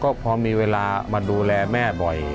ก็พอมีเวลามาดูแลแม่บ่อย